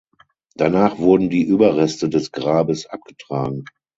Danach wurden die Überreste des Grabes abgetragen.